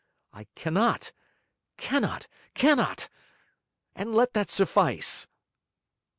I cannot cannot cannot and let that suffice.'